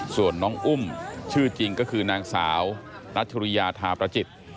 ส่วนน้องอุ้มชื่อจริงก็คือนางสาวรัชริยาทาประจิต